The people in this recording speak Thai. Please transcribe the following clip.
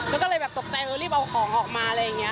แล้วก็เลยแบบตกใจเออรีบเอาของออกมาอะไรอย่างนี้